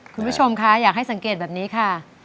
คุณผู้ชมคะอยากให้สังเกตแบบนี้ค่ะ